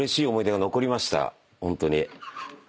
ホントに。